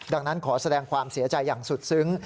ดังนั้นขอแสดงความเสียใจอย่างสุดซึ้ง